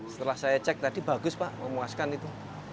setelah saya cek tadi bagus pak memuaskan itu